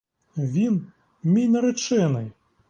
Він — мій наречений!